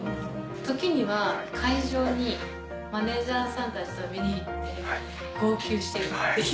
時には会場にマネージャーさんたちと見に行って号泣してるっていう。